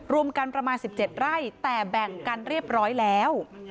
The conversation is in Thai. รวมกันประมาณ๑๗ไร่แต่แบ่งกันเรียบร้อยแล้ว